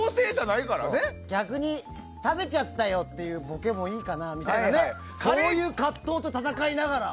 逆に食べちゃったよっていうボケもいいかなみたいなそういう葛藤と闘いながら。